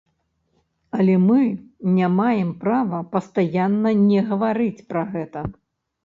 Але мы не маем права пастаянна не гаварыць пра гэта.